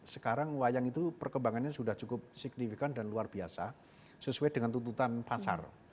sekarang wayang itu perkembangannya sudah cukup signifikan dan luar biasa sesuai dengan tuntutan pasar